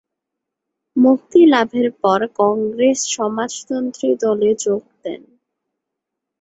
মুক্তিলাভের পর কংগ্রেস সমাজতন্ত্রী দলে যোগ দেন।